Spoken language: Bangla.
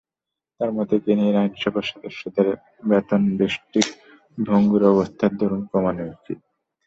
তার মতে, কেনিয়ার আইনসভা সদস্যদের বেতন দেশটির ভঙ্গুর অবস্থার দরুন কমানো উচিত।